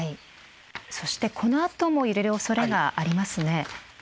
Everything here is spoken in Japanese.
このあとも揺れるおそれがありますね。